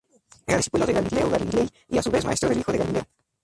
Era discípulo de Galileo Galilei, y a su vez maestro del hijo de Galileo.